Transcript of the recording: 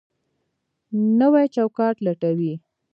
نوی چوکاټ لټوي.